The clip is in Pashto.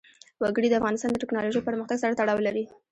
وګړي د افغانستان د تکنالوژۍ پرمختګ سره تړاو لري.